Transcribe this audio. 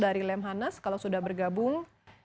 dari lemhanas kalau sudah bergabung